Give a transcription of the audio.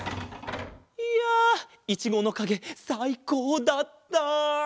いやいちごのかげさいこうだった！